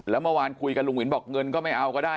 แล้วเมื่อวานคุยกับลุงวินบอกเงินก็ไม่เอาก็ได้